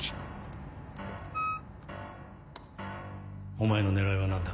お前の狙いは何だ？